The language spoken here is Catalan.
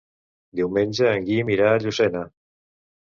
Diumenge en Guim irà a Llucena.